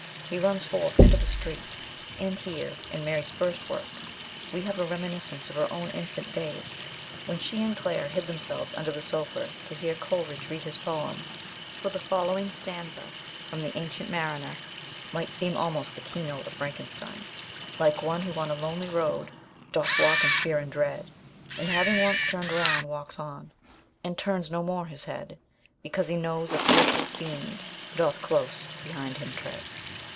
He runs forth into the street, and here, in Mary's first work, we have a reminiscence of her own infant days, when she and Claire hid themselves under the sofa to hear Coleridge read his poem, for the following stanza from the Ancient Mariner might seem almost the key note of Frankenstein : Like one who on a lonely road, Doth walk in fear and dread. And having once turned round, walks on, And turns no more his head, Because he knows a fearful fiend Doth close behind him tread.